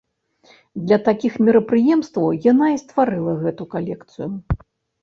Для такіх мерапрыемстваў яна і стварыла гэту калекцыю.